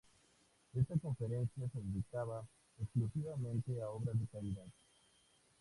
Esta Conferencia se dedicaba exclusivamente a obras de caridad.